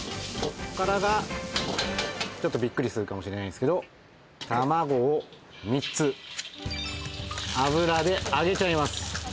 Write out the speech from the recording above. ここからがちょっとビックリするかもしれないんですけど卵を３つ油で揚げちゃいます